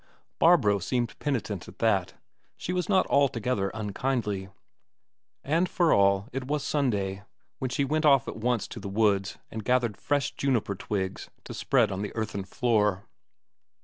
Barbro seemed penitent at that; she was not altogether unkindly. And for all it was Sunday, she went off at once to the woods and gathered fresh juniper twigs to spread on the earthen floor.